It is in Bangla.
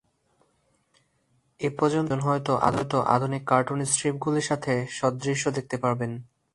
এই পর্যন্ত একজন হয়ত আধুনিক কার্টুন স্ট্রিপগুলির সাথে সাদৃশ্য দেখতে পাবেন।